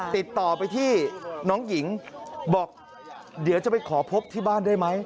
ติดต่อไปที่น้องหญิงบอกเดี๋ยวจะไปขอพบที่บ้านได้ไหม